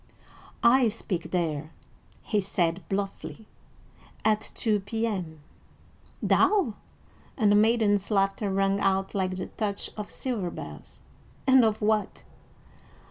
"I speak there," he said bluffly, "at two P.M." "Thou!" and the maiden's laughter rang out like the touch of silver bells, "and of what?"